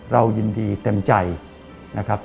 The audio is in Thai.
เรายินดีเต็มใจนะครับ